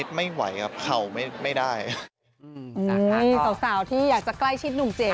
สาวที่อยากจะใกล้ชิดหนุ่มเจ๊